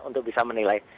untuk bisa menilai